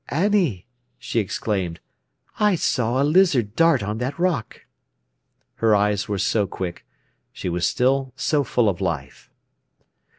"Annie," she exclaimed, "I saw a lizard dart on that rock!" Her eyes were so quick; she was still so full of life.